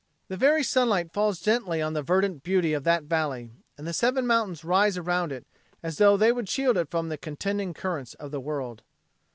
The very sunlight falls gently on the verdant beauty of that valley, and the seven mountains rise around it as tho they would shield it from the contending currents of the world.